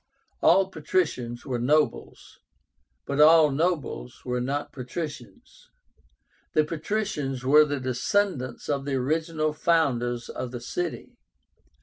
All patricians were nobles, but all nobles were not patricians. The patricians were the descendants of the original founders of the city.